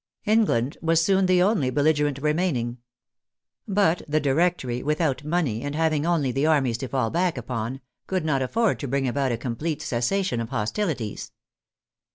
England was soon the only belligerent remaining. But the Directory, without money, and having only the armies to fall back upon, could not afford to bring about a complete cessation of hostilities.